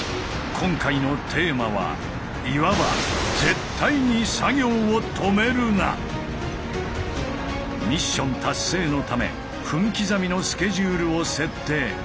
今回のテーマはいわば絶対にミッション達成のため分刻みのスケジュールを設定。